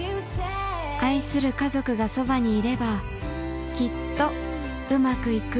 愛する家族がそばにいればきっとウマくいく